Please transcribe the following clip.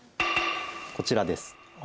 こちらです。